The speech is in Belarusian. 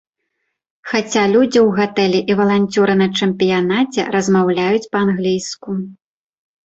Хаця людзі ў гатэлі і валанцёры на чэмпіянаце размаўляюць па-англійску.